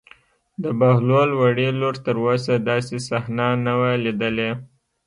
د بهلول وړې لور تر اوسه داسې صحنه نه وه لیدلې.